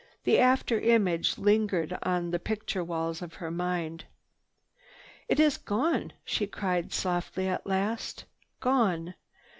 The after image lingered on the picture walls of her mind. "It is gone!" she cried softly at last, "Gone!"